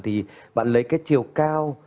thì bạn lấy cái chiều cao